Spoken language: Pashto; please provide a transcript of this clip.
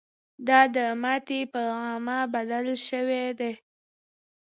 دا د ماتې په عامل بدل شوی دی.